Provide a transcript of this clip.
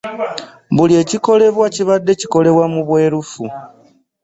Buli ekikolebwa kibadde kikolebwa mu bwerufu.